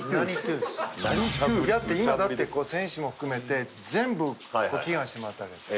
今だって選手も含めて全部ご祈願してもらったわけですよ。